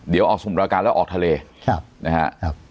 เดี๋ยวออกสมราการแล้วออกทะเลครับนะฮะครับ